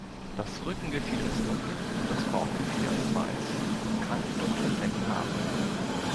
Das Rückengefieder ist dunkel und das Bauchgefieder ist weiß und kann dunkle Flecken haben.